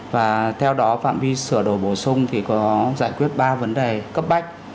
và theo đó phạm vi sửa đổi bổ sung thì có giải quyết ba vấn đề cấp bách